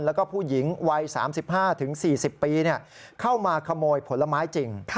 แล้วก็ผู้หญิงวัย๓๕๔๐ปีเข้ามาขโมยผลไม้จริง